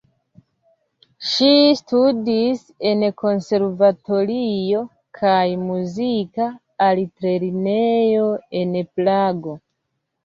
Ŝi studis en konservatorio kaj Muzika altlernejo en Prago.